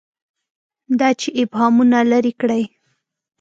دا چې ابهامونه لري کړي.